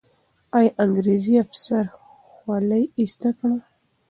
آیا انګریزي افسر خولۍ ایسته کړه؟